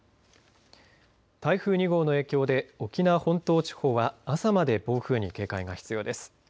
台風２号の影響で沖縄本島地方は朝まで暴風に警戒が必要です。